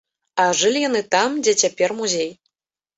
А жылі яны там, дзе цяпер музей.